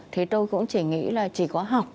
thì tôi cũng chỉ nghĩ là chỉ có học